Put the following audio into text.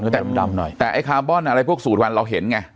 แต่ดำหน่อยแต่ไอ้คาร์บอนอะไรพวกสูตรวันเราเห็นไง